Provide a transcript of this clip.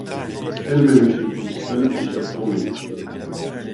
Elle-même effectue seule plusieurs tournées.